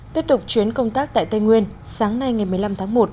tiếp tục chuyến công tác tại tây nguyên sáng nay ngày một mươi năm tháng một